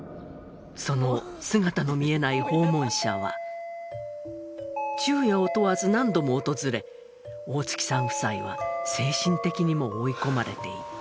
その姿の見えない訪問者は昼夜を問わず何度も訪れ大月さん夫妻は精神的にも追い込まれていった。